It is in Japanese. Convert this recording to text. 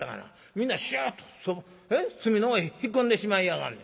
みんなシュッと隅の方へ引っ込んでしまいやがんねん。